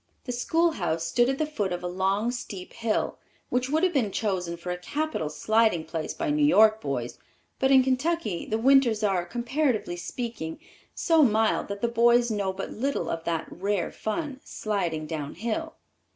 The schoolhouse stood at the foot of a long, steep hill, which would have been chosen for a capital sliding place by New York boys; but in Kentucky the winters are, comparatively speaking, so mild that the boys know but little of that rare fun, "sliding down hill."